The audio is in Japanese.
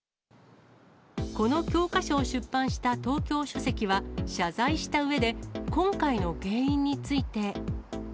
この教科書を出版した東京書籍は、謝罪したうえで、今回の原因について。